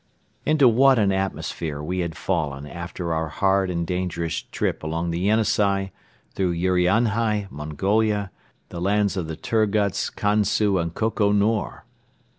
Into what an atmosphere we had fallen after our hard and dangerous trip along the Yenisei, through Urianhai, Mongolia, the lands of the Turguts, Kansu and Koko Nor!